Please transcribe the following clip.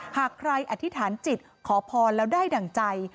หากใครอธิษฐานจิตขอพรแล้วได้ดั่งใจ